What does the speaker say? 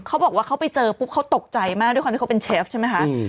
เขาบอกว่าเขาไปเจอปุ๊บเขาตกใจมากด้วยความที่เขาเป็นเชฟใช่ไหมคะ